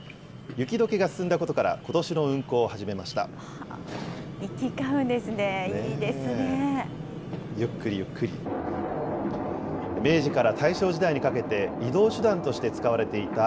雪どけが進んだことから、ことしの運行を始めました。